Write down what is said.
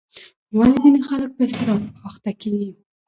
ولې ځینې خلک په اضطراب اخته کېږي؟